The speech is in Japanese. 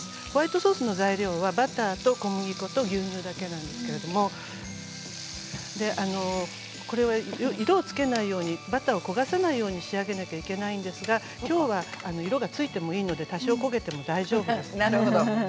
ホワイトソースの材料はバターと小麦粉と牛乳だけなんですけれども色をつけないようにバターを焦がさないように仕上げなきゃいけないんですがきょうは色がついてもいいので多少焦げても大丈夫です。